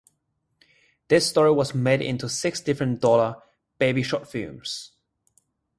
This story was made into six different Dollar Baby short films.